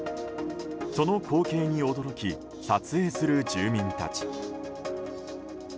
その光景に驚き撮影する住民たち。